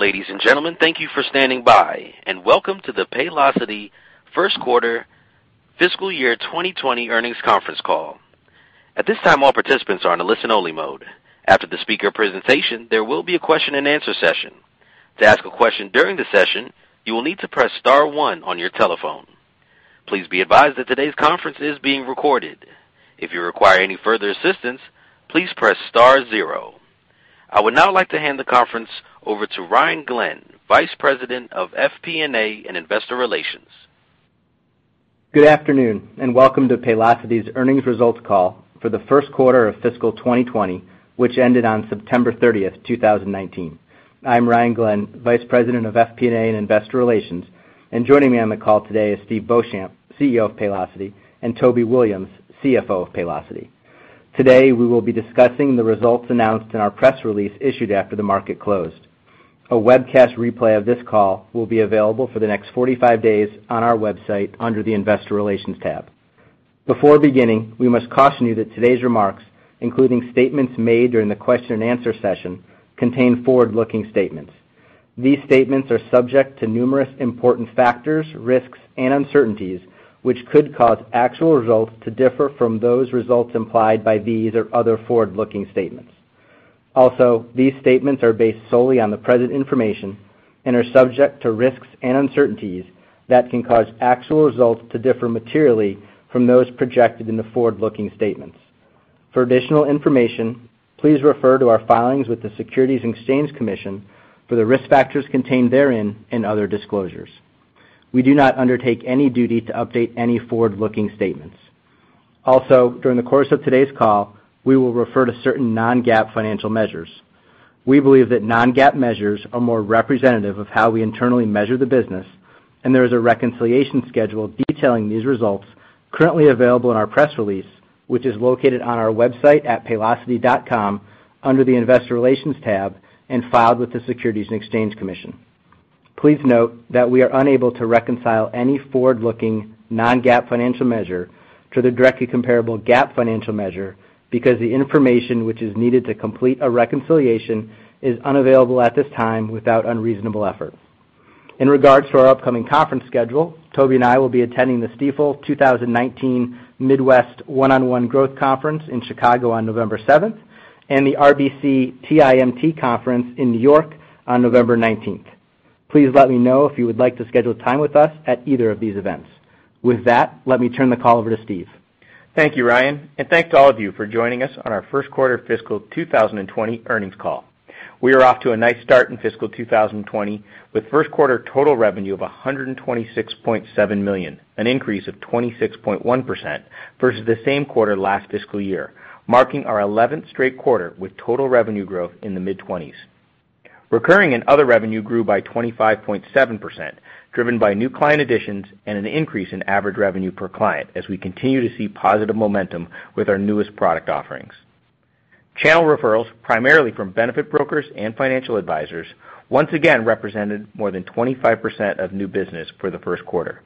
Ladies and gentlemen, thank you for standing by, and welcome to the Paylocity First Quarter Fiscal Year 2020 Earnings Conference Call. At this time, all participants are in a listen-only mode. After the speaker presentation, there will be a question and answer session. To ask a question during the session, you will need to press star one on your telephone. Please be advised that today's conference is being recorded. If you require any further assistance, please press star zero. I would now like to hand the conference over to Ryan Glenn, Vice President of FP&A and Investor Relations. Good afternoon, and welcome to Paylocity's earnings results call for the first quarter of fiscal 2020, which ended on September 30th, 2019. I'm Ryan Glenn, Vice President of FP&A and Investor Relations, and joining me on the call today is Steve Beauchamp, CEO of Paylocity, and Toby Williams, CFO of Paylocity. Today, we will be discussing the results announced in our press release issued after the market closed. A webcast replay of this call will be available for the next 45 days on our website under the investor relations tab. Before beginning, we must caution you that today's remarks, including statements made during the question and answer session, contain forward-looking statements. These statements are subject to numerous important factors, risks, and uncertainties, which could cause actual results to differ from those results implied by these or other forward-looking statements. These statements are based solely on the present information and are subject to risks and uncertainties that can cause actual results to differ materially from those projected in the forward-looking statements. For additional information, please refer to our filings with the Securities and Exchange Commission for the risk factors contained therein and other disclosures. We do not undertake any duty to update any forward-looking statements. During the course of today's call, we will refer to certain non-GAAP financial measures. We believe that non-GAAP measures are more representative of how we internally measure the business, and there is a reconciliation schedule detailing these results currently available in our press release, which is located on our website at paylocity.com under the investor relations tab and filed with the Securities and Exchange Commission. Please note that we are unable to reconcile any forward-looking, non-GAAP financial measure to the directly comparable GAAP financial measure because the information which is needed to complete a reconciliation is unavailable at this time without unreasonable effort. In regards to our upcoming conference schedule, Toby and I will be attending the Stifel 2019 Midwest One-on-One Growth Conference in Chicago on November 7th and the RBC TMT Conference in New York on November 19th. Please let me know if you would like to schedule time with us at either of these events. Let me turn the call over to Steve. Thank you, Ryan, and thanks to all of you for joining us on our first quarter fiscal 2020 earnings call. We are off to a nice start in fiscal 2020 with first quarter total revenue of $126.7 million, an increase of 26.1% versus the same quarter last fiscal year, marking our 11th straight quarter with total revenue growth in the mid-20s. Recurring and other revenue grew by 25.7%, driven by new client additions and an increase in average revenue per client as we continue to see positive momentum with our newest product offerings. Channel referrals, primarily from benefit brokers and financial advisors, once again represented more than 25% of new business for the first quarter.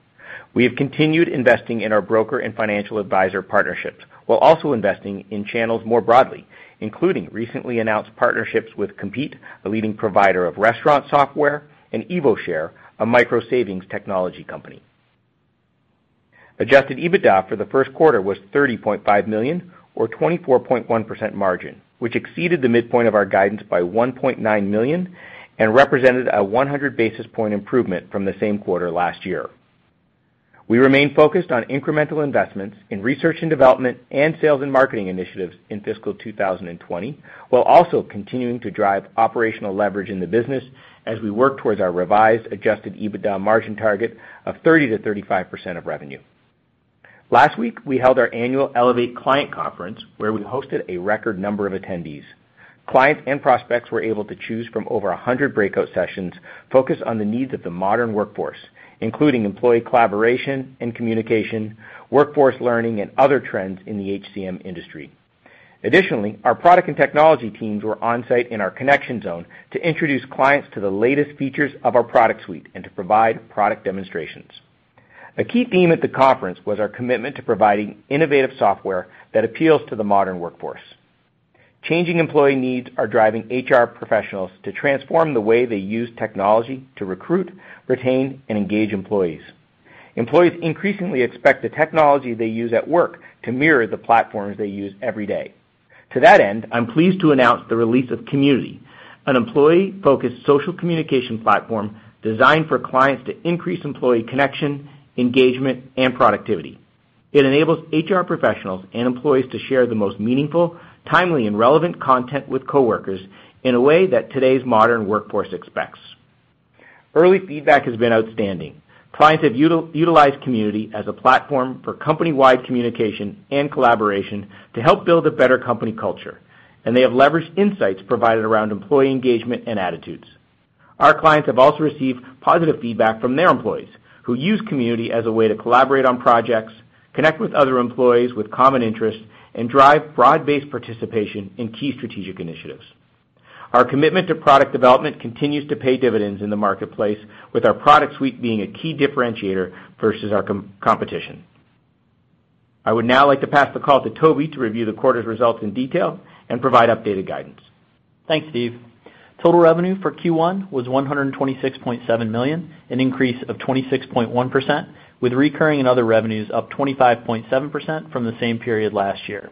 We have continued investing in our broker and financial advisor partnerships, while also investing in channels more broadly, including recently announced partnerships with Compeat, a leading provider of restaurant software, and EvoShare, a micro-savings technology company. Adjusted EBITDA for the first quarter was $30.5 million or 24.1% margin, which exceeded the midpoint of our guidance by $1.9 million and represented a 100-basis point improvement from the same quarter last year. We remain focused on incremental investments in research and development and sales and marketing initiatives in fiscal 2020, while also continuing to drive operational leverage in the business as we work towards our revised adjusted EBITDA margin target of 30%-35% of revenue. Last week, we held our annual Elevate Client Conference where we hosted a record number of attendees. Clients and prospects were able to choose from over 100 breakout sessions focused on the needs of the modern workforce, including employee collaboration and communication, workforce learning, and other trends in the HCM industry. Additionally, our product and technology teams were on-site in our Connection Zone to introduce clients to the latest features of our product suite and to provide product demonstrations. A key theme at the conference was our commitment to providing innovative software that appeals to the modern workforce. Changing employee needs are driving HR professionals to transform the way they use technology to recruit, retain, and engage employees. Employees increasingly expect the technology they use at work to mirror the platforms they use every day. To that end, I'm pleased to announce the release of Community, an employee-focused social communication platform designed for clients to increase employee connection, engagement, and productivity. It enables HR professionals and employees to share the most meaningful, timely, and relevant content with coworkers in a way that today's modern workforce expects. Early feedback has been outstanding. Clients have utilized Community as a platform for company-wide communication and collaboration to help build a better company culture, and they have leveraged insights provided around employee engagement and attitudes. Our clients have also received positive feedback from their employees who use Community as a way to collaborate on projects, connect with other employees with common interests, and drive broad-based participation in key strategic initiatives. Our commitment to product development continues to pay dividends in the marketplace, with our product suite being a key differentiator versus our competition. I would now like to pass the call to Toby to review the quarter's results in detail and provide updated guidance. Thanks, Steve. Total revenue for Q1 was $126.7 million, an increase of 26.1%, with recurring and other revenues up 25.7% from the same period last year.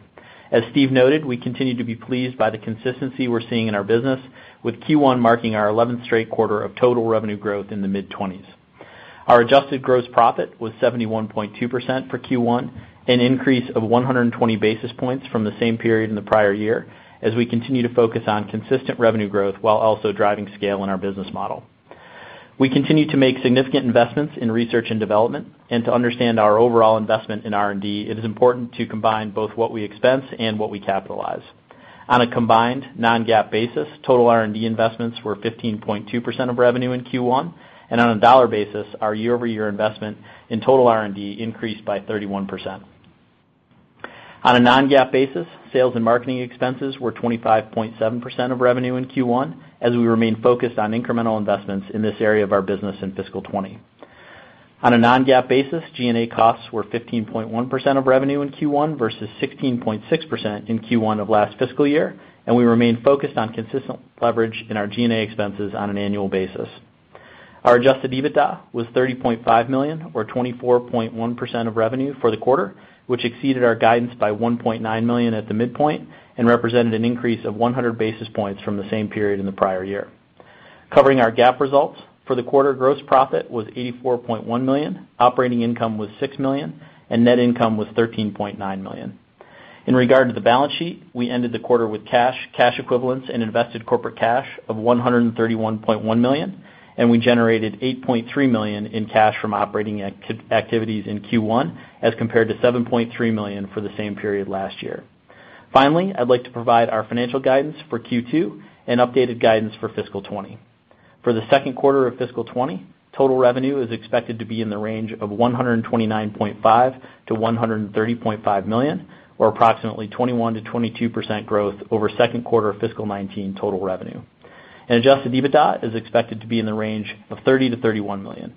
As Steve noted, we continue to be pleased by the consistency we're seeing in our business, with Q1 marking our 11th straight quarter of total revenue growth in the mid-20s. Our adjusted gross profit was 71.2% for Q1, an increase of 120 basis points from the same period in the prior year, as we continue to focus on consistent revenue growth while also driving scale in our business model. We continue to make significant investments in research and development. To understand our overall investment in R&D, it is important to combine both what we expense and what we capitalize. On a combined non-GAAP basis, total R&D investments were 15.2% of revenue in Q1. On a dollar basis, our year-over-year investment in total R&D increased by 31%. On a non-GAAP basis, sales and marketing expenses were 25.7% of revenue in Q1, as we remain focused on incremental investments in this area of our business in fiscal 2020. On a non-GAAP basis, G&A costs were 15.1% of revenue in Q1 versus 16.6% in Q1 of last fiscal year. We remain focused on consistent leverage in our G&A expenses on an annual basis. Our adjusted EBITDA was $30.5 million or 24.1% of revenue for the quarter, which exceeded our guidance by $1.9 million at the midpoint and represented an increase of 100 basis points from the same period in the prior year. Covering our GAAP results, for the quarter, gross profit was $84.1 million, operating income was $6 million, and net income was $13.9 million. In regard to the balance sheet, we ended the quarter with cash equivalents and invested corporate cash of $131.1 million, and we generated $8.3 million in cash from operating activities in Q1 as compared to $7.3 million for the same period last year. Finally, I'd like to provide our financial guidance for Q2 and updated guidance for fiscal 2020. For the second quarter of fiscal 2020, total revenue is expected to be in the range of $129.5 million-$130.5 million, or approximately 21%-22% growth over second quarter fiscal 2019 total revenue. Adjusted EBITDA is expected to be in the range of $30 million-$31 million.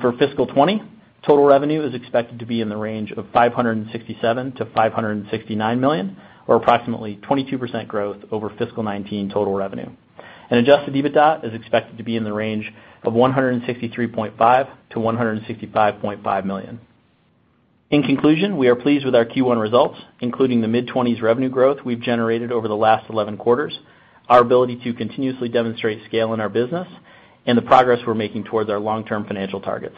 For fiscal 2020, total revenue is expected to be in the range of $567 million-$569 million, or approximately 22% growth over fiscal 2019 total revenue. Adjusted EBITDA is expected to be in the range of $163.5 million-$165.5 million. In conclusion, we are pleased with our Q1 results, including the mid-20s revenue growth we've generated over the last 11 quarters, our ability to continuously demonstrate scale in our business, and the progress we're making towards our long-term financial targets.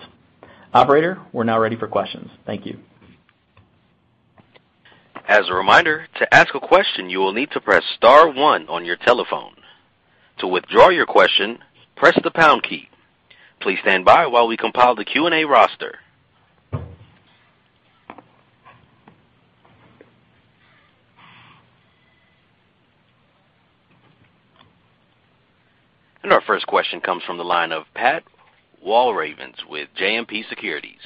Operator, we're now ready for questions. Thank you. As a reminder, to ask a question, you will need to press *1 on your telephone. To withdraw your question, press the # key. Please stand by while we compile the Q&A roster. Our first question comes from the line of Pat Walravens with JMP Securities.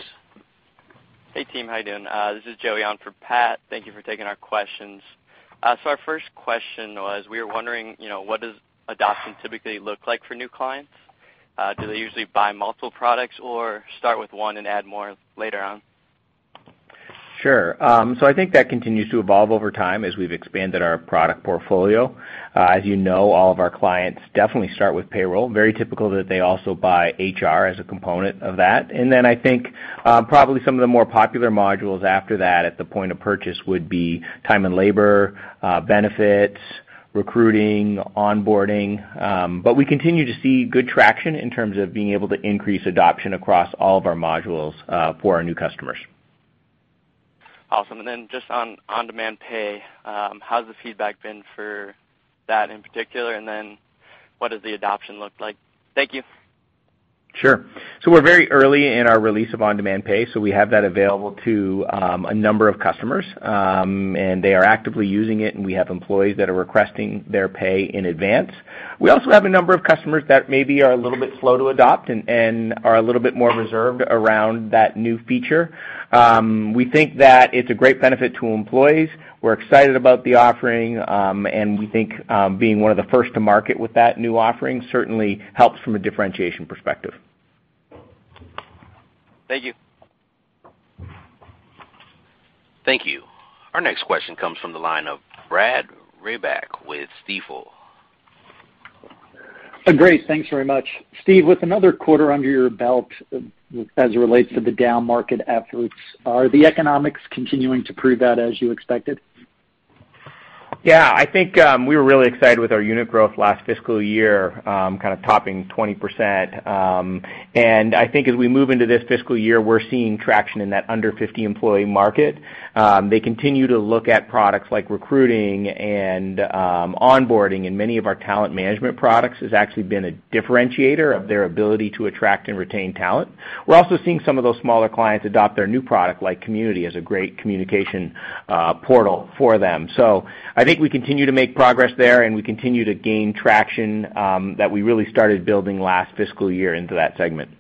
Hey, team. How you doing? This is Joey on for Pat. Thank you for taking our questions. Our first question was, we were wondering, what does adoption typically look like for new clients? Do they usually buy multiple products or start with one and add more later on? Sure. I think that continues to evolve over time as we've expanded our product portfolio. As you know, all of our clients definitely start with payroll, very typical that they also buy HR as a component of that. Then I think probably some of the more popular modules after that at the point of purchase would be time and labor, benefits, recruiting, onboarding. We continue to see good traction in terms of being able to increase adoption across all of our modules for our new customers. Awesome. Just on On-Demand Pay, how's the feedback been for that in particular, and then what does the adoption look like? Thank you. Sure. We're very early in our release of On Demand Pay, so we have that available to a number of customers. They are actively using it, and we have employees that are requesting their pay in advance. We also have a number of customers that maybe are a little bit slow to adopt and are a little bit more reserved around that new feature. We think that it's a great benefit to employees. We're excited about the offering, and we think being one of the first to market with that new offering certainly helps from a differentiation perspective. Thank you. Thank you. Our next question comes from the line of Brad Reback with Stifel. Great. Thanks very much. Steve, with another quarter under your belt as it relates to the down-market efforts, are the economics continuing to prove out as you expected? Yeah, I think we were really excited with our unit growth last fiscal year kind of topping 20%. I think as we move into this fiscal year, we're seeing traction in that under 50 employee market. They continue to look at products like recruiting and onboarding, and many of our talent management products has actually been a differentiator of their ability to attract and retain talent. We're also seeing some of those smaller clients adopt our new product, like Community as a great communication portal for them. I think we continue to make progress there, and we continue to gain traction that we really started building last fiscal year into that segment.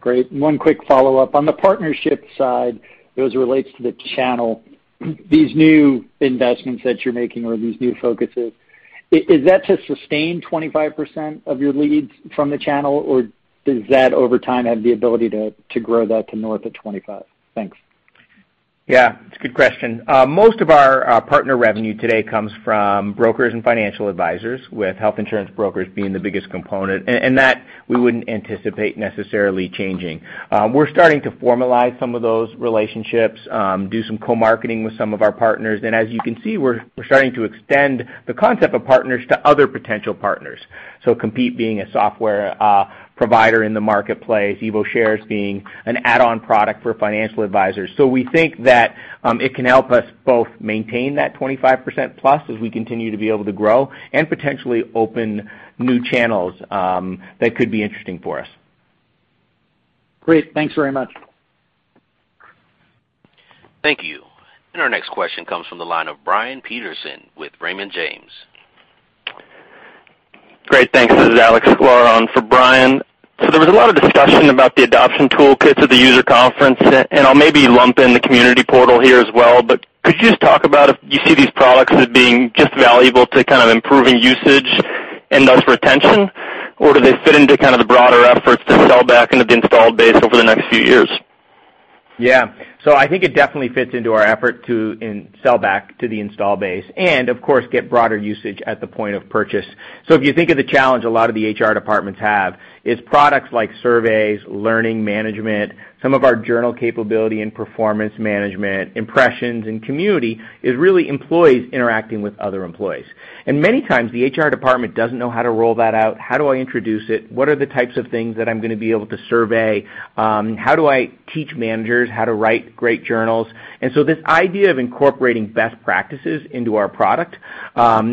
Great. One quick follow-up. On the partnership side, as it relates to the channel, these new investments that you're making or these new focuses? Is that to sustain 25% of your leads from the channel, or does that, over time, have the ability to grow that to north of 25? Thanks. Yeah, it's a good question. Most of our partner revenue today comes from brokers and financial advisors, with health insurance brokers being the biggest component. That, we wouldn't anticipate necessarily changing. We're starting to formalize some of those relationships, do some co-marketing with some of our partners, and as you can see, we're starting to extend the concept of partners to other potential partners. Compeat being a software provider in the marketplace, EvoShare being an add-on product for financial advisors. We think that it can help us both maintain that 25%+, as we continue to be able to grow, and potentially open new channels that could be interesting for us. Great. Thanks very much. Thank you. Our next question comes from the line of Brian Peterson with Raymond James. Great. Thanks. This is Alex Zukin for Brian. There was a lot of discussion about the adoption toolkits at the user conference, and I'll maybe lump in the Community portal here as well. Could you just talk about if you see these products as being just valuable to improving usage and thus retention? Or do they fit into the broader efforts to sell back into the installed base over the next few years? Yeah. I think it definitely fits into our effort to sell back to the install base and, of course, get broader usage at the point of purchase. If you think of the challenge a lot of the HR departments have, it's products like Surveys, learning management, some of our journal capability and performance management, impressions, and Community, is really employees interacting with other employees. Many times, the HR department doesn't know how to roll that out. How do I introduce it? What are the types of things that I'm going to be able to survey? How do I teach managers how to write great journals? This idea of incorporating best practices into our product,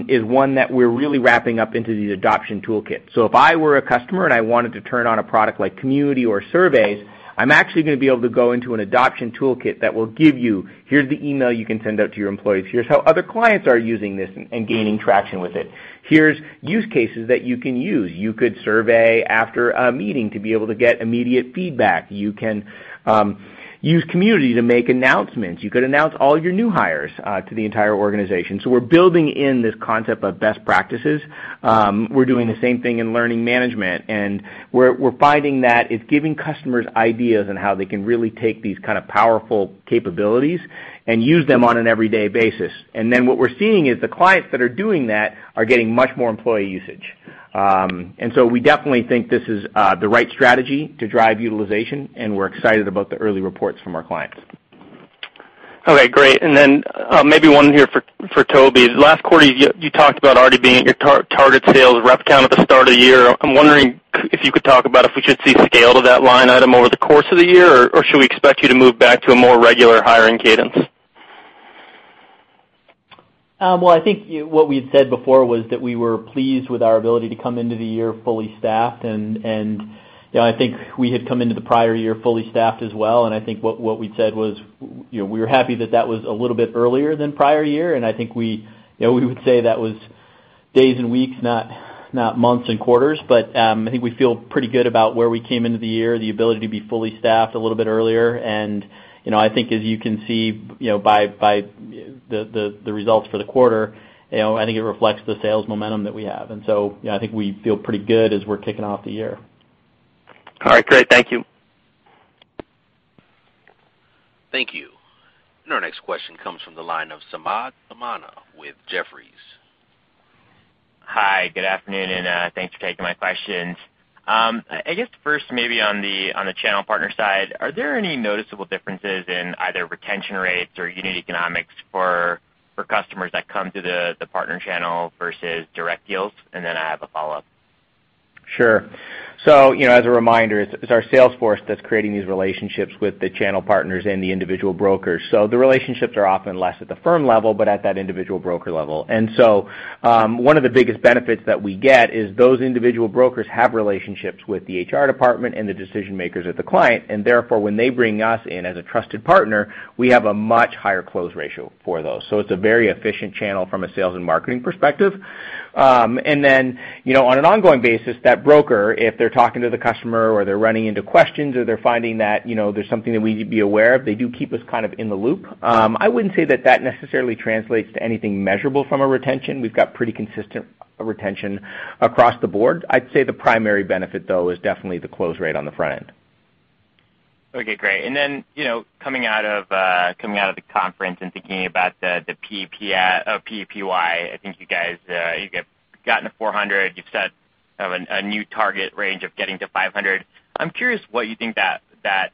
is one that we're really wrapping up into these adoption toolkits. If I were a customer and I wanted to turn on a product like Community or Surveys, I'm actually going to be able to go into an adoption toolkit that will give you, here's the email you can send out to your employees. Here's how other clients are using this and gaining traction with it. Here's use cases that you can use. You could survey after a meeting to be able to get immediate feedback. You can use Community to make announcements. You could announce all your new hires to the entire organization. We're building in this concept of best practices. We're doing the same thing in learning management, and we're finding that it's giving customers ideas on how they can really take these kind of powerful capabilities and use them on an everyday basis. What we're seeing is the clients that are doing that are getting much more employee usage. We definitely think this is the right strategy to drive utilization, and we're excited about the early reports from our clients. Okay, great. Maybe one here for Toby. Last quarter, you talked about already being at your target sales rep count at the start of the year. I'm wondering if you could talk about if we should see scale to that line item over the course of the year, or should we expect you to move back to a more regular hiring cadence? Well, I think what we've said before was that we were pleased with our ability to come into the year fully staffed, I think we had come into the prior year fully staffed as well, I think what we said was, we were happy that that was a little bit earlier than prior year, I think we would say that was days and weeks, not months and quarters. I think we feel pretty good about where we came into the year, the ability to be fully staffed a little bit earlier. I think as you can see by the results for the quarter, I think it reflects the sales momentum that we have. I think we feel pretty good as we're kicking off the year. All right, great. Thank you. Thank you. Our next question comes from the line of Samad Samana with Jefferies. Hi, good afternoon, and thanks for taking my questions. I guess first maybe on the channel partner side, are there any noticeable differences in either retention rates or unit economics for customers that come through the partner channel versus direct deals? I have a follow-up. Sure. As a reminder, it's our sales force that's creating these relationships with the channel partners and the individual brokers. The relationships are often less at the firm level, but at that individual broker level. One of the biggest benefits that we get is those individual brokers have relationships with the HR department and the decision-makers at the client, and therefore, when they bring us in as a trusted partner, we have a much higher close ratio for those. It's a very efficient channel from a sales and marketing perspective. On an ongoing basis, that broker, if they're talking to the customer or they're running into questions or they're finding that there's something that we need to be aware of, they do keep us in the loop. I wouldn't say that that necessarily translates to anything measurable from a retention. We've got pretty consistent retention across the board. I'd say the primary benefit, though, is definitely the close rate on the front end. Okay, great. Then, coming out of the conference and thinking about the PEPY, I think you guys have gotten to $400. You've set a new target range of getting to $500. I'm curious what you think that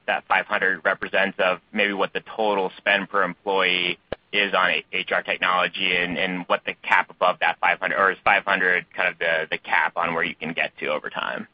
$500 represents of maybe what the total spend per employee is on HR technology and what the cap above that $500, or is $500 kind of the cap on where you can get to over time?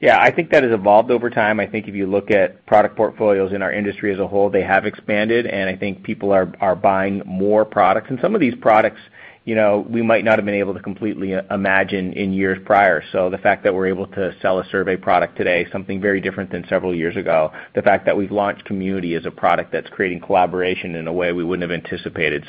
Yeah, I think that has evolved over time. I think if you look at product portfolios in our industry as a whole, they have expanded, and I think people are buying more products. Some of these products, we might not have been able to completely imagine in years prior. The fact that we're able to sell a Surveys product today, something very different than several years ago. The fact that we've launched Community as a product that's creating collaboration in a way we wouldn't have anticipated.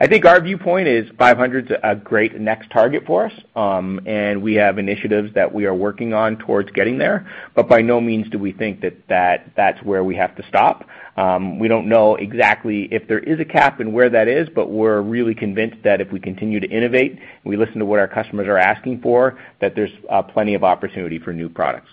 I think our viewpoint is 500's a great next target for us, and we have initiatives that we are working on towards getting there. By no means do we think that that's where we have to stop. We don't know exactly if there is a cap and where that is, but we're really convinced that if we continue to innovate, we listen to what our customers are asking for, that there's plenty of opportunity for new products.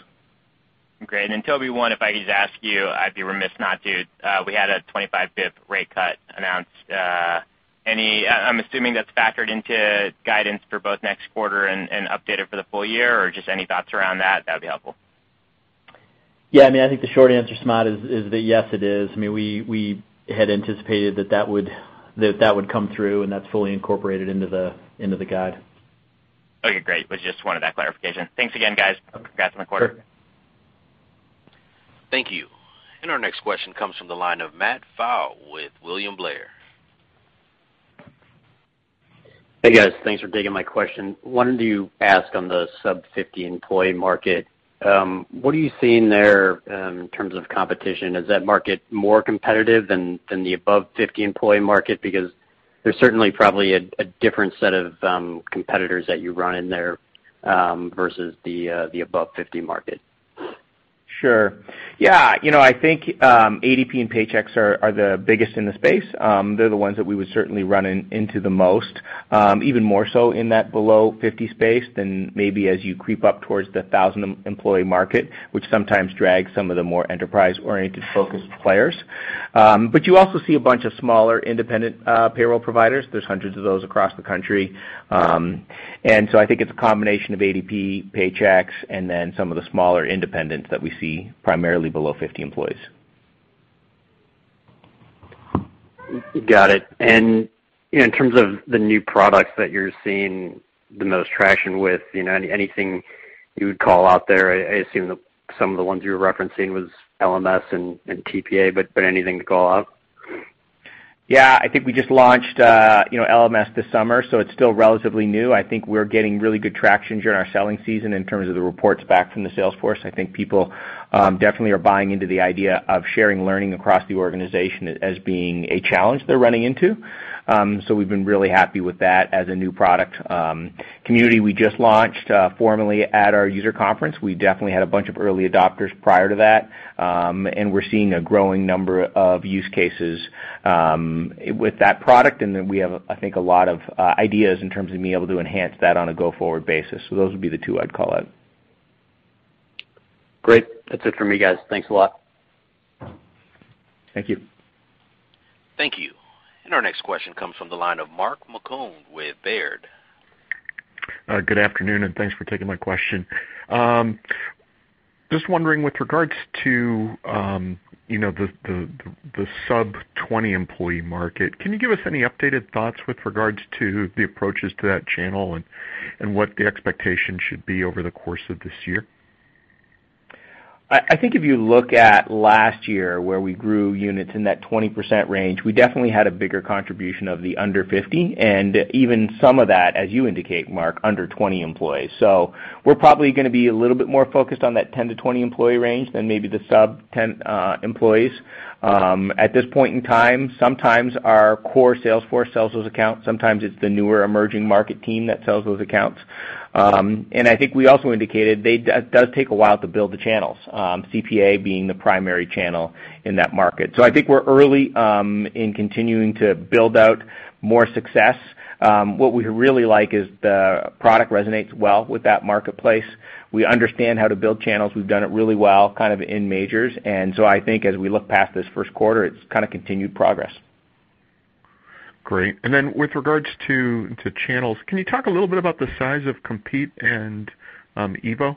Great. Toby, one, if I could just ask you, I'd be remiss not to, we had a 25 pip rate cut announced. I'm assuming that's factored into guidance for both next quarter and updated for the full year, or just any thoughts around that would be helpful. Yeah. I think the short answer, Samad, is that yes, it is. We had anticipated that would come through, and that's fully incorporated into the guide. Okay, great. Just wanted that clarification. Thanks again, guys. Okay. Congrats on the quarter. Sure. Thank you. Our next question comes from the line of Matt Fowle with William Blair. Hey, guys. Thanks for taking my question. Wanted to ask on the sub 50 employee market, what are you seeing there in terms of competition? Is that market more competitive than the above 50 employee market? There's certainly probably a different set of competitors that you run in there, versus the above 50 market. Sure. Yeah. I think ADP and Paychex are the biggest in the space. They're the ones that we would certainly run into the most, even more so in that below 50 space than maybe as you creep up towards the 1,000 employee market, which sometimes drags some of the more enterprise-oriented focused players. You also see a bunch of smaller independent payroll providers. There's hundreds of those across the country. I think it's a combination of ADP, Paychex, and then some of the smaller independents that we see primarily below 50 employees. Got it. In terms of the new products that you're seeing the most traction with, anything you would call out there? I assume that some of the ones you were referencing was LMS and TPA, but anything to call out? Yeah, I think we just launched LMS this summer. It's still relatively new. I think we're getting really good traction during our selling season in terms of the reports back from the sales force. I think people definitely are buying into the idea of sharing learning across the organization as being a challenge they're running into. We've been really happy with that as a new product. Community, we just launched formally at our User Conference. We definitely had a bunch of early adopters prior to that. We're seeing a growing number of use cases with that product. We have, I think, a lot of ideas in terms of being able to enhance that on a go-forward basis. Those would be the two I'd call out. Great. That's it for me, guys. Thanks a lot. Thank you. Thank you. Our next question comes from the line of Mark Marcon with Baird. Good afternoon, and thanks for taking my question. Just wondering with regards to the sub 20 employee market, can you give us any updated thoughts with regards to the approaches to that channel and what the expectation should be over the course of this year? I think if you look at last year, where we grew units in that 20% range, we definitely had a bigger contribution of the under 50, and even some of that, as you indicate, Mark, under 20 employees. We're probably going to be a little bit more focused on that 10-20 employee range than maybe the sub 10 employees. At this point in time, sometimes our core sales force sells those accounts. Sometimes it's the newer emerging market team that sells those accounts. I think we also indicated that does take a while to build the channels, CPA being the primary channel in that market. I think we're early in continuing to build out more success. What we really like is the product resonates well with that marketplace. We understand how to build channels. We've done it really well in majors. I think as we look past this first quarter, it's continued progress. Great. With regards to channels, can you talk a little bit about the size of Compeat and EVO?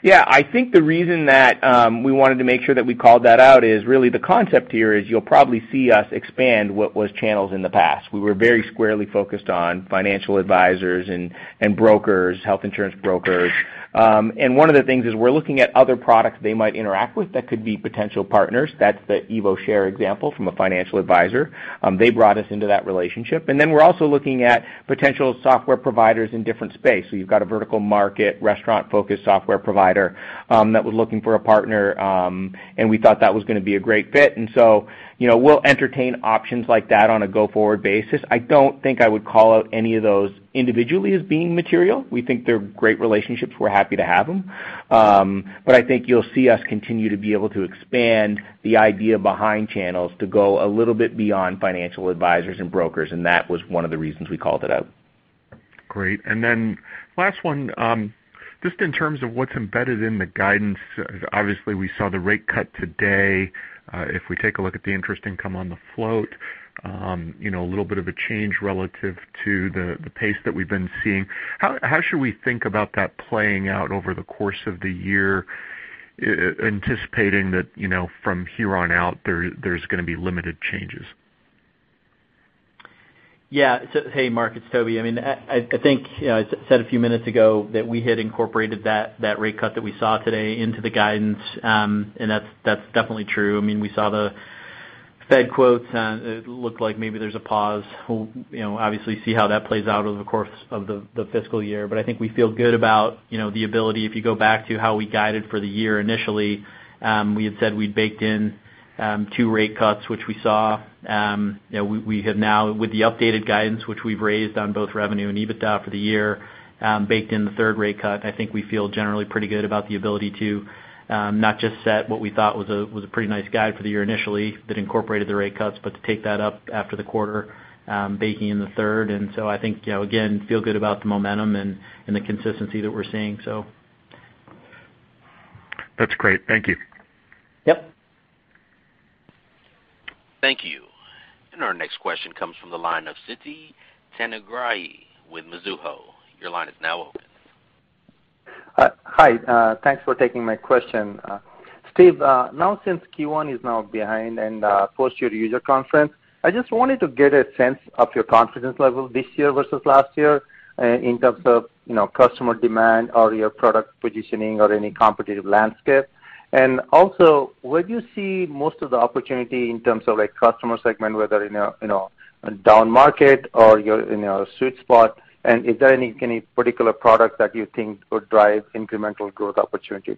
Yeah. I think the reason that we wanted to make sure that we called that out is really the concept here is you'll probably see us expand what was channels in the past. We were very squarely focused on financial advisors and brokers, health insurance brokers. One of the things is we're looking at other products they might interact with that could be potential partners. That's the EvoShare example from a financial advisor. They brought us into that relationship. We're also looking at potential software providers in different space. You've got a vertical market, restaurant-focused software provider that was looking for a partner. We thought that was going to be a great fit. We'll entertain options like that on a go-forward basis. I don't think I would call out any of those individually as being material. We think they're great relationships. We're happy to have them. I think you'll see us continue to be able to expand the idea behind channels to go a little bit beyond financial advisors and brokers. That was one of the reasons we called it out. Great. Last one, just in terms of what's embedded in the guidance, obviously, we saw the rate cut today. If we take a look at the interest income on the float, a little bit of a change relative to the pace that we've been seeing. How should we think about that playing out over the course of the year, anticipating that from here on out, there's going to be limited changes? Yeah. Hey, Mark, it's Toby. I think I said a few minutes ago that we had incorporated that rate cut that we saw today into the guidance, and that's definitely true. We saw the Fed cuts. It looked like maybe there's a pause. We'll obviously see how that plays out over the course of the fiscal year. I think we feel good about the ability. If you go back to how we guided for the year initially, we had said we'd baked in two rate cuts, which we saw. We have now, with the updated guidance, which we've raised on both revenue and EBITDA for the year, baked in the third rate cut. I think we feel generally pretty good about the ability to not just set what we thought was a pretty nice guide for the year initially that incorporated the rate cuts, but to take that up after the quarter, baking in the third. I think, again, feel good about the momentum and the consistency that we're seeing. That's great. Thank you. Yep. Thank you. Our next question comes from the line of Siti Panigrahi with Mizuho. Your line is now open. Hi. Thanks for taking my question. Steve, now since Q1 is now behind and post your user conference, I just wanted to get a sense of your confidence level this year versus last year in terms of customer demand or your product positioning or any competitive landscape. Also, where do you see most of the opportunity in terms of customer segment, whether in a down market or you're in a sweet spot, and is there any particular product that you think would drive incremental growth opportunity?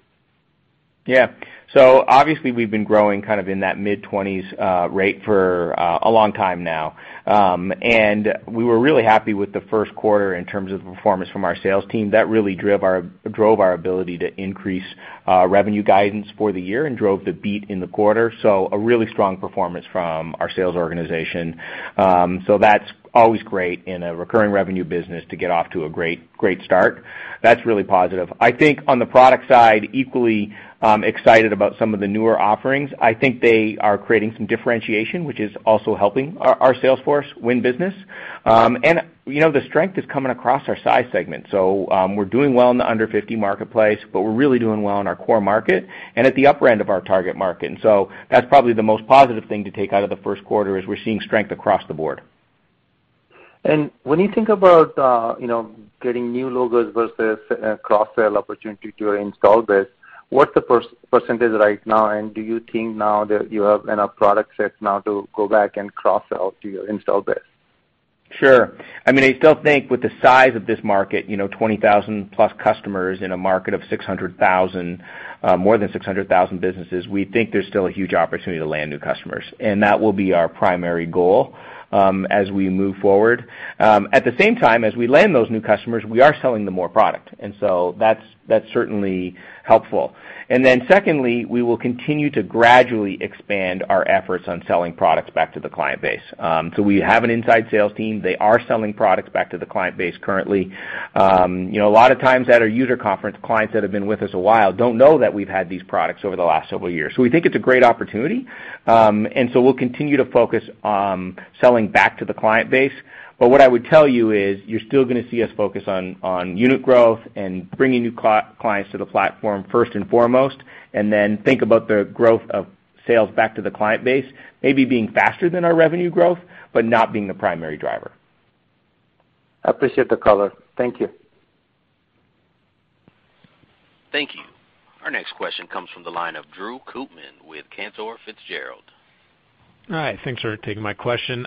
Yeah. Obviously we've been growing kind of in that mid-20s rate for a long time now. We were really happy with the first quarter in terms of performance from our sales team. That really drove our ability to increase revenue guidance for the year and drove the beat in the quarter. A really strong performance from our sales organization. That's always great in a recurring revenue business to get off to a great start. That's really positive. I think on the product side, equally excited about some of the newer offerings. I think they are creating some differentiation, which is also helping our sales force win business. The strength is coming across our size segment. We're doing well in the under 50 marketplace, but we're really doing well in our core market and at the upper end of our target market. That's probably the most positive thing to take out of the first quarter, is we're seeing strength across the board. When you think about getting new logos versus a cross-sell opportunity to your install base, what's the percentage right now, and do you think now that you have enough product sets now to go back and cross-sell to your install base? Sure. I still think with the size of this market, 20,000 plus customers in a market of more than 600,000 businesses, we think there's still a huge opportunity to land new customers. That will be our primary goal as we move forward. At the same time, as we land those new customers, we are selling them more product. That's certainly helpful. Secondly, we will continue to gradually expand our efforts on selling products back to the client base. We have an inside sales team. They are selling products back to the client base currently. A lot of times at our user conference, clients that have been with us a while don't know that we've had these products over the last several years. We think it's a great opportunity, we'll continue to focus on selling back to the client base. What I would tell you is, you're still going to see us focus on unit growth and bringing new clients to the platform first and foremost, and then think about the growth of sales back to the client base, maybe being faster than our revenue growth, but not being the primary driver. I appreciate the color. Thank you. Thank you. Our next question comes from the line of Drew Kootman with Cantor Fitzgerald. Hi, thanks for taking my question.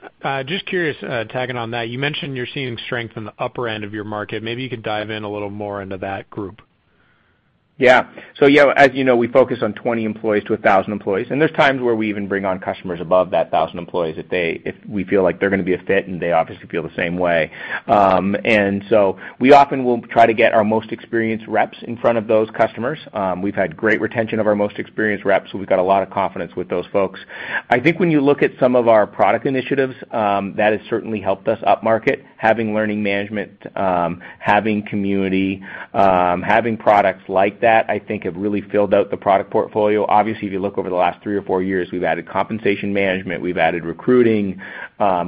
Just curious, tagging on that, you mentioned you're seeing strength in the upper end of your market. Maybe you could dive in a little more into that group. Yeah. As you know, we focus on 20 employees to 1,000 employees, there's times where we even bring on customers above that 1,000 employees if we feel like they're going to be a fit, and they obviously feel the same way. We often will try to get our most experienced reps in front of those customers. We've had great retention of our most experienced reps, we've got a lot of confidence with those folks. I think when you look at some of our product initiatives, that has certainly helped us up market, having learning management, having Community, having products like that, I think, have really filled out the product portfolio. Obviously, if you look over the last three or four years, we've added compensation management, we've added recruiting,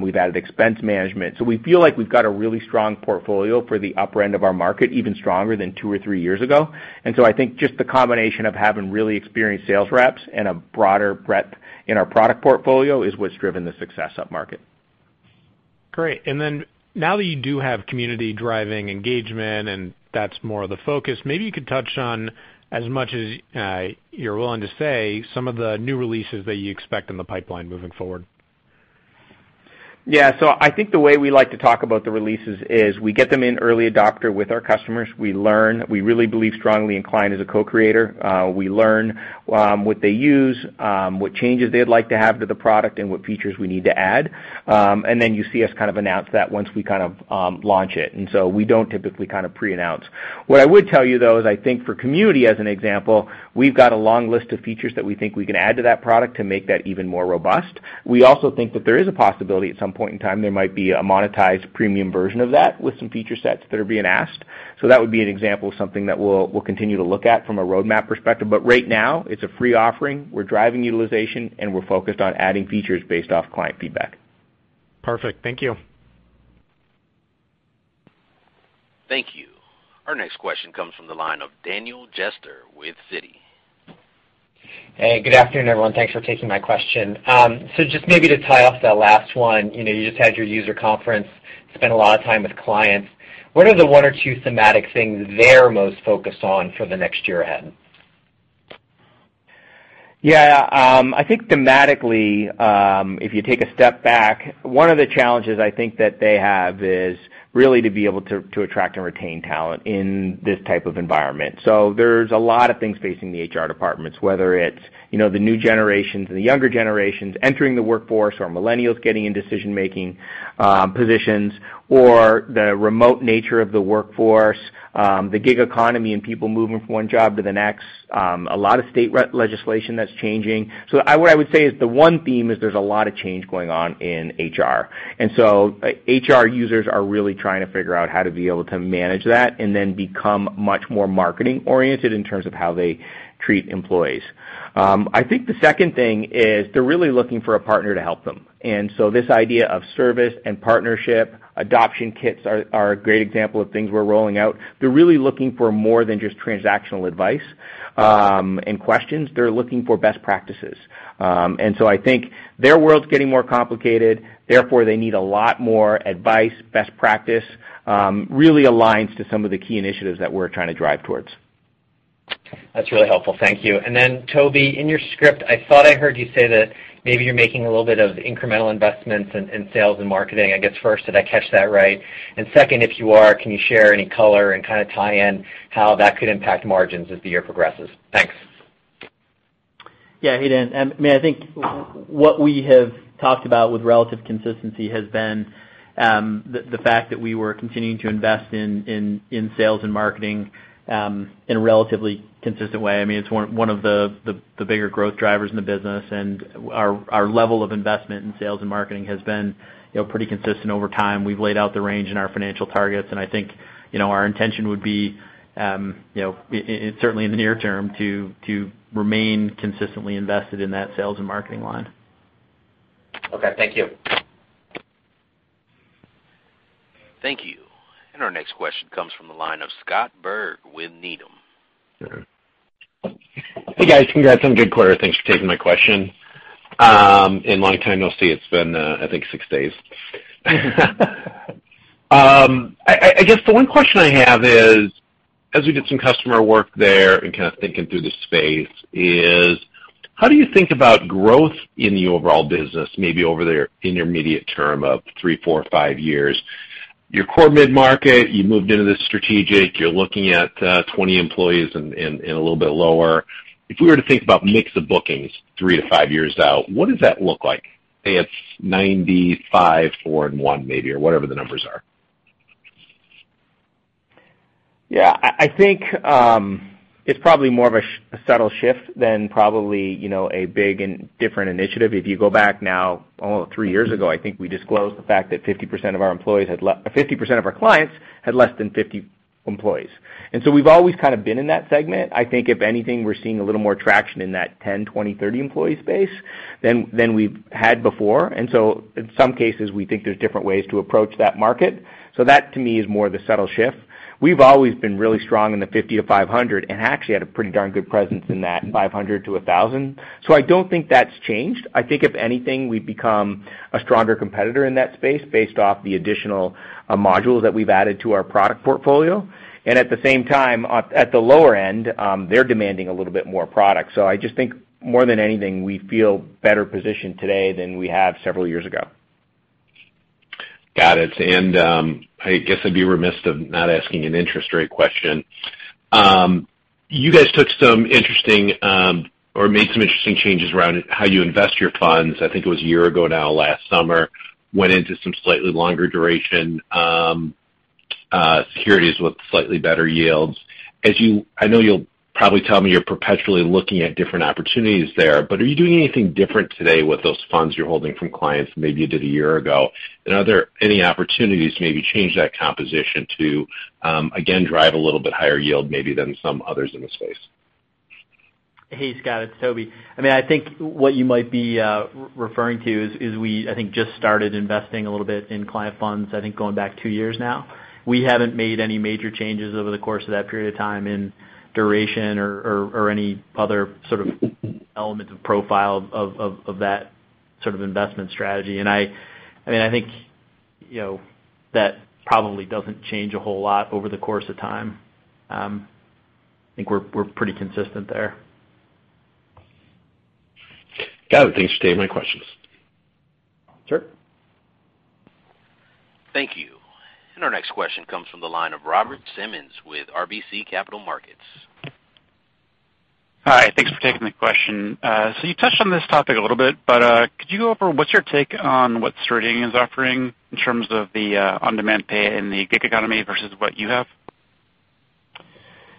we've added expense management. We feel like we've got a really strong portfolio for the upper end of our market, even stronger than two or three years ago. I think just the combination of having really experienced sales reps and a broader breadth in our product portfolio is what's driven the success up market. Great. Now that you do have Community driving engagement, and that's more of the focus, maybe you could touch on, as much as you're willing to say, some of the new releases that you expect in the pipeline moving forward. I think the way we like to talk about the releases is we get them in early adopter with our customers. We learn. We really believe strongly in client as a co-creator. We learn what they use, what changes they'd like to have to the product, and what features we need to add. We don't typically pre-announce. What I would tell you, though, is I think for Community, as an example, we've got a long list of features that we think we can add to that product to make that even more robust. We also think that there is a possibility at some point in time there might be a monetized premium version of that with some feature sets that are being asked. That would be an example of something that we'll continue to look at from a roadmap perspective. But right now, it's a free offering. We're driving utilization, and we're focused on adding features based off client feedback. Perfect. Thank you. Thank you. Our next question comes from the line of Daniel Jester with Citi. Hey, good afternoon, everyone. Thanks for taking my question. Just maybe to tie off that last one, you just had your user conference, spent a lot of time with clients. What are the one or two thematic things they're most focused on for the next year ahead? Yeah. I think thematically, if you take a step back, one of the challenges I think that they have is really to be able to attract and retain talent in this type of environment. There's a lot of things facing the HR departments, whether it's the new generations and the younger generations entering the workforce, or millennials getting in decision-making positions, or the remote nature of the workforce, the gig economy and people moving from one job to the next. A lot of state legislation that's changing. What I would say is the one theme is there's a lot of change going on in HR. HR users are really trying to figure out how to be able to manage that and then become much more marketing-oriented in terms of how they treat employees. I think the second thing is they're really looking for a partner to help them. This idea of service and partnership, adoption kits are a great example of things we're rolling out. They're really looking for more than just transactional advice and questions. They're looking for best practices. I think their world's getting more complicated, therefore they need a lot more advice, best practice, really aligns to some of the key initiatives that we're trying to drive towards. That's really helpful. Thank you. Toby, in your script, I thought I heard you say that maybe you're making a little bit of incremental investments in sales and marketing. I guess first, did I catch that right? Second, if you are, can you share any color and kind of tie in how that could impact margins as the year progresses? Thanks. Yeah, Daniel. I think what we have talked about with relative consistency has been the fact that we were continuing to invest in sales and marketing, in a relatively consistent way. It's one of the bigger growth drivers in the business, and our level of investment in sales and marketing has been pretty consistent over time. We've laid out the range in our financial targets, and I think our intention would be, certainly in the near term, to remain consistently invested in that sales and marketing line. Okay. Thank you. Thank you. Our next question comes from the line of Scott Berg with Needham. Hey, guys. Congrats on good quarter. Thanks for taking my question. In my time, you'll see it's been, I think six days. I guess the one question I have is, as we did some customer work there and kind of thinking through the space is, how do you think about growth in the overall business, maybe over there in your immediate term of three, four, five years? Your core mid-market, you moved into this strategic, you're looking at 20 employees and a little bit lower. If we were to think about mix of bookings three to five years out, what does that look like? Say it's 95, four, and one maybe, or whatever the numbers are. Yeah. I think it's probably more of a subtle shift than probably a big and different initiative. If you go back now, almost 3 years ago, I think we disclosed the fact that 50% of our clients had less than 50 employees. We've always been in that segment. I think if anything, we're seeing a little more traction in that 10, 20, 30 employee space than we've had before. In some cases, we think there's different ways to approach that market. That to me is more the subtle shift. We've always been really strong in the 50-500 and actually had a pretty darn good presence in that 500-1,000. I don't think that's changed. I think if anything, we've become a stronger competitor in that space based off the additional modules that we've added to our product portfolio. At the same time, at the lower end, they're demanding a little bit more product. I just think more than anything, we feel better positioned today than we have several years ago. Got it. I guess I'd be remiss of not asking an interest rate question. You guys took some interesting, or made some interesting changes around how you invest your funds. I think it was a year ago now, last summer, went into some slightly longer duration securities with slightly better yields. I know you'll probably tell me you're perpetually looking at different opportunities there, are you doing anything different today with those funds you're holding from clients maybe you did a year ago? Are there any opportunities to maybe change that composition to, again, drive a little bit higher yield maybe than some others in the space? Hey, Scott. It's Toby. I think what you might be referring to is we, I think, just started investing a little bit in client funds, I think going back two years now. We haven't made any major changes over the course of that period of time in duration or any other sort of element of profile of that sort of investment strategy. I think that probably doesn't change a whole lot over the course of time. I think we're pretty consistent there. Got it. Thanks for taking my questions. Sure. Thank you. Our next question comes from the line of Robert Simmons with RBC Capital Markets. Hi. Thanks for taking the question. You touched on this topic a little bit, but could you go over what's your take on what Ceridian is offering in terms of the on-demand pay and the gig economy versus what you have?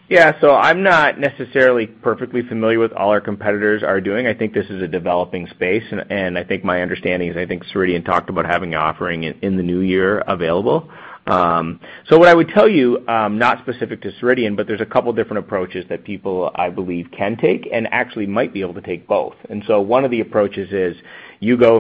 Yeah. I'm not necessarily perfectly familiar with all our competitors are doing. I think this is a developing space, and I think my understanding is, I think Ceridian talked about having an offering in the new year available. What I would tell you, not specific to Ceridian, but there's a couple different approaches that people, I believe, can take and actually might be able to take both. One of the approaches is you go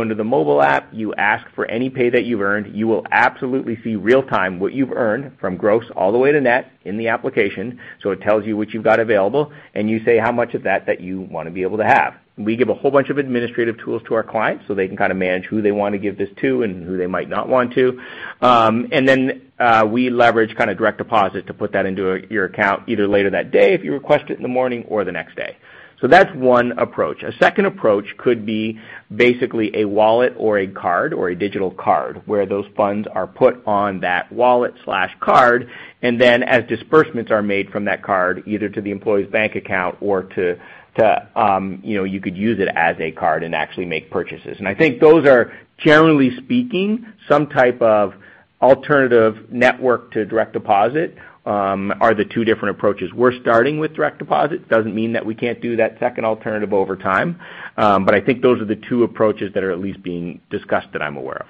into the mobile app, you ask for any pay that you've earned. You will absolutely see real-time what you've earned from gross all the way to net in the application. It tells you what you've got available, and you say how much of that you want to be able to have. We give a whole bunch of administrative tools to our clients so they can manage who they want to give this to and who they might not want to. We leverage direct deposit to put that into your account either later that day if you request it in the morning or the next day. That's one approach. A second approach could be basically a wallet or a card or a digital card, where those funds are put on that wallet/card, and then as disbursements are made from that card, either to the employee's bank account or you could use it as a card and actually make purchases. I think those are, generally speaking, some type of alternative network to direct deposit, are the two different approaches. We're starting with direct deposit. Doesn't mean that we can't do that second alternative over time. I think those are the two approaches that are at least being discussed that I'm aware of.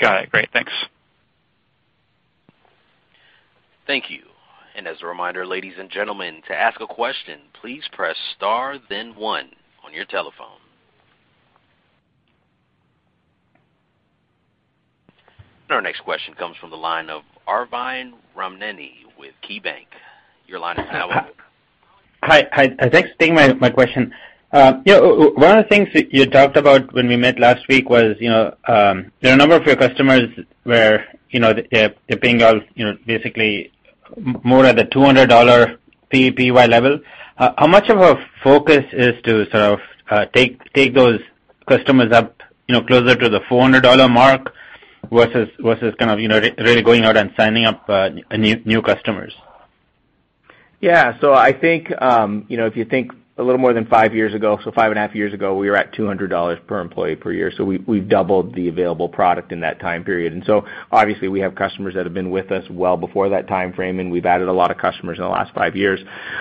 Got it. Great. Thanks. Thank you. As a reminder, ladies and gentlemen, to ask a question, please press star then one on your telephone. Our next question comes from the line of Arvind Ramnani with KeyBanc. Your line is now open. Hi. Thanks for taking my question. One of the things that you talked about when we met last week was, there are a number of your customers where they're paying off basically more of the $200 PEPY level. How much of a focus is to sort of take those customers up closer to the $400 mark versus really going out and signing up new customers? Yeah. I think, if you think a little more than five years ago, five and a half years ago, we were at $200 per employee per year. We've doubled the available product in that time period. Obviously, we have customers that have been with us well before that time frame, and we've added a lot of customers in the last five years.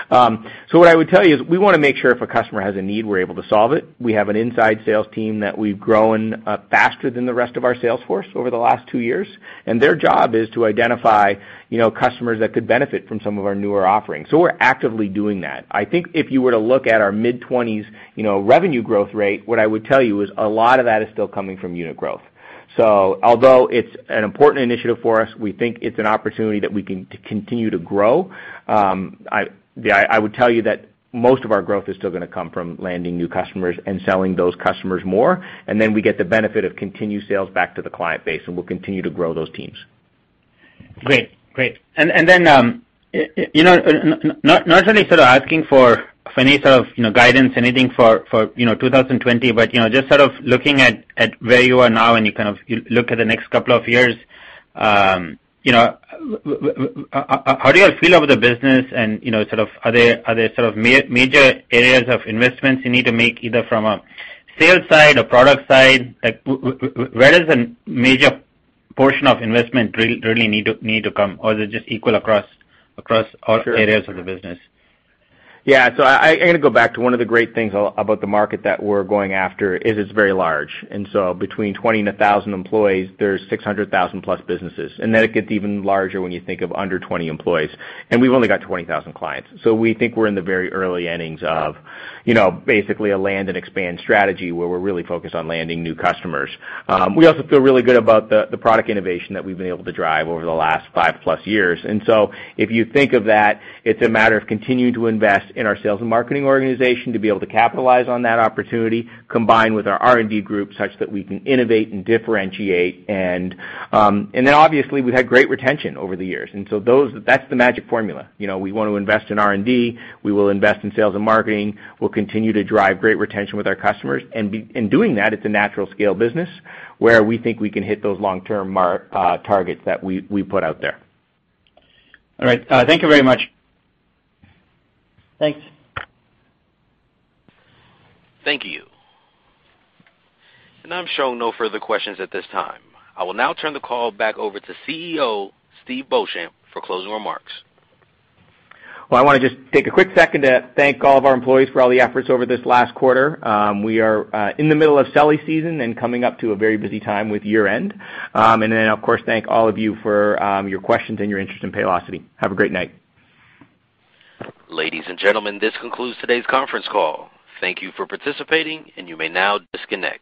What I would tell you is, we want to make sure if a customer has a need, we're able to solve it. We have an inside sales team that we've grown faster than the rest of our sales force over the last two years, and their job is to identify customers that could benefit from some of our newer offerings. We're actively doing that. I think if you were to look at our mid-twenties revenue growth rate, what I would tell you is a lot of that is still coming from unit growth. Although it's an important initiative for us, we think it's an opportunity that we can continue to grow. I would tell you that most of our growth is still going to come from landing new customers and selling those customers more, and then we get the benefit of continued sales back to the client base, and we'll continue to grow those teams. Great. Not necessarily sort of asking for any sort of guidance, anything for 2020, but just sort of looking at where you are now and you look at the next couple of years, how do you feel about the business and are there sort of major areas of investments you need to make, either from a sales side or product side? Where does a major portion of investment really need to come? Or is it just equal across all areas of the business? Yeah. I'm going to go back to one of the great things about the market that we're going after, is it's very large. Between 20 and 1,000 employees, there's 600,000 plus businesses. It gets even larger when you think of under 20 employees. We've only got 20,000 clients. We think we're in the very early innings of basically a land and expand strategy where we're really focused on landing new customers. We also feel really good about the product innovation that we've been able to drive over the last 5-plus years. If you think of that, it's a matter of continuing to invest in our sales and marketing organization to be able to capitalize on that opportunity, combined with our R&D group, such that we can innovate and differentiate. Obviously, we've had great retention over the years, so that's the magic formula. We want to invest in R&D. We will invest in sales and marketing. We'll continue to drive great retention with our customers. In doing that, it's a natural scale business where we think we can hit those long-term targets that we put out there. All right. Thank you very much. Thanks. Thank you. I'm showing no further questions at this time. I will now turn the call back over to CEO, Steve Beauchamp, for closing remarks. Well, I want to just take a quick second to thank all of our employees for all the efforts over this last quarter. We are in the middle of selling season and coming up to a very busy time with year-end. Of course, thank all of you for your questions and your interest in Paylocity. Have a great night. Ladies and gentlemen, this concludes today's conference call. Thank you for participating, and you may now disconnect.